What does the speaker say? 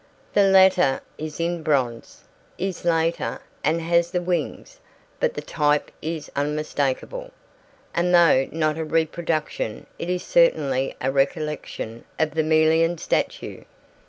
The latter is in bronze, is later, and has the wings, but the type is unmistakable, and though not a reproduction it is certainly a recollection of the Melian statue.